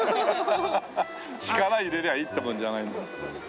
力入れりゃいいってもんじゃない。